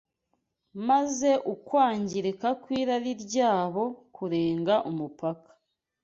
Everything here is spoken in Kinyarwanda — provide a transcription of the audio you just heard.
maze ukwangirika kw’irari ryabo kurenga umupaka